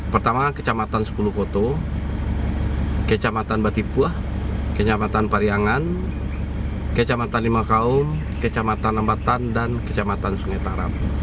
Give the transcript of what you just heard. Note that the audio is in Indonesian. pertama kecamatan sepuluh foto kecamatan batipuah kecamatan pariangan kecamatan lima kaum kecamatan lembatan dan kecamatan sungai taram